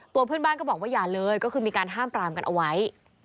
เพื่อนบ้านก็บอกว่าอย่าเลยก็คือมีการห้ามปรามกันเอาไว้